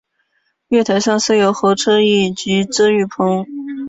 月台上设有候车椅及遮雨棚。